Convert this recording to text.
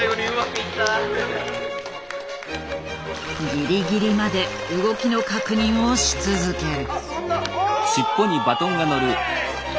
ギリギリまで動きの確認をし続ける。